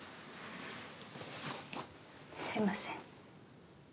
すいません。